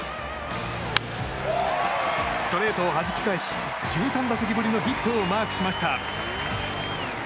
ストレートをはじき返し１３打席ぶりのヒットをマークしました。